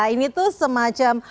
ini tuh semacam